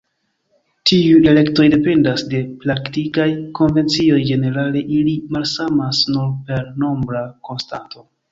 Tiuj elektoj dependas de praktikaj konvencioj, ĝenerale ili malsamas nur per nombra konstanto.